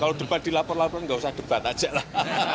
kalau debat dilapor laporan nggak usah debat aja lah